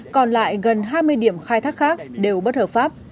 còn lại gần hai mươi điểm khai thác khác đều bất hợp pháp